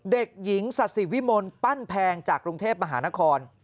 เด็กหญิงสัสสิวิมลปั้นแพงจากกรุงเทพมหานคร